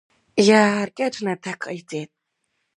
Иааркьаҿны аҭак ҟаиҵеит…